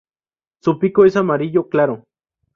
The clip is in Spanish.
Su pico es amarillo claro.